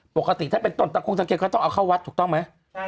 ปกติถ้าเป็นต้นตะคงตะเกียงก็ต้องเอาเข้าวัดถูกต้องไหม